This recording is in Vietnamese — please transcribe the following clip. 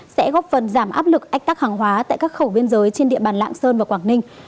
sẽ góp phần giảm áp lực ách tắc hàng hóa tại các khẩu biên giới trên địa bàn lạng sơn và quảng ninh